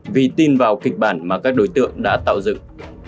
vì tin vào kịch bản mà các đối tượng đã tạo dựng